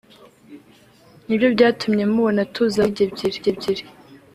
nibyo byatumye mubona tuza mu ndege ebyiri